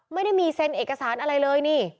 ไม่ได้มีเซนต์่อเอกสารอะไรเลย